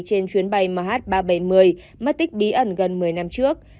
trên chuyến bay mh ba trăm bảy mươi mất tích bí ẩn gần một mươi năm trước